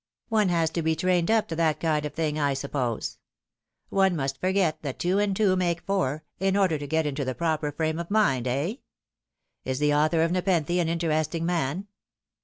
" One has to be trained up to that kind of thing, I suppose. One must forget that two and two make four, in order to get into the proper frame of mind, eh ? Is the author of Nepenthe an interesting man